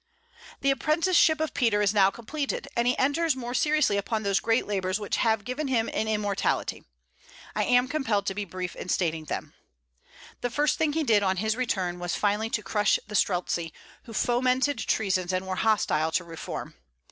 The apprenticeship of Peter is now completed, and he enters more seriously upon those great labors which have given him an immortality. I am compelled to be brief in stating them. The first thing he did, on his return, was finally to crush the Streltzi, who fomented treasons and were hostile to reform.